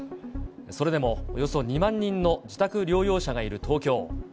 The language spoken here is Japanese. それでも、およそ２万人の自宅療養者がいる東京。